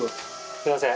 すみません。